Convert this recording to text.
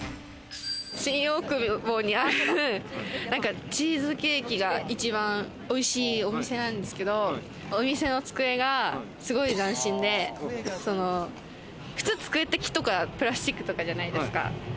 新大久保にあるチーズケーキが一番おいしいお店なんですけど、お店の机がすごい斬新で、普通、机って木とかプラスチックとかじゃないですか。